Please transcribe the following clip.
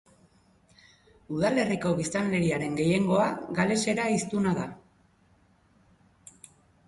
Udalerriko biztanleriaren gehiengoa galesera hiztuna da.